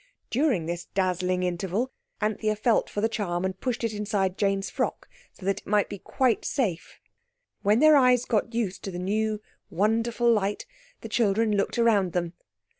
During this dazzling interval Anthea felt for the charm and pushed it inside Jane's frock, so that it might be quite safe. When their eyes got used to the new wonderful light the children looked around them.